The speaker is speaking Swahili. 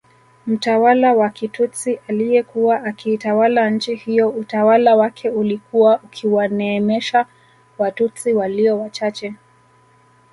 Mtawala wa Kitutsi aliyekuwa akiitawala nchi hiyo utawala wake ulikuwa ukiwaneemesha Watutsi walio wachache